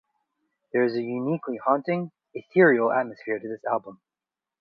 There is a uniquely haunting, ethereal atmosphere to this album.